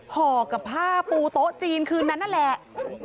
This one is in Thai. ห่อกับผ้าปูโต๊ะจีนคืนนั้นนั่นแหละ